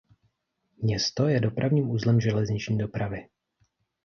Město je dopravním uzlem železniční dopravy.